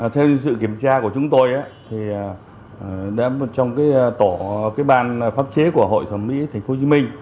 theo sự kiểm tra của chúng tôi trong tổ ban pháp chế của hội phẫu thuật thẩm mỹ tp hcm